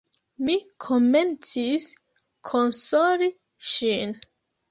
Mi komencis konsoli ŝin.